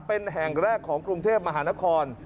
เป็นแห่งแรกของกรุงเทพมหานคร